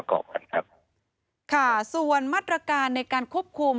ค่ะส่วนมัตรการในการควบคุม